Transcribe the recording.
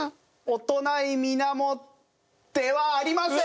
おとないみなもではありません！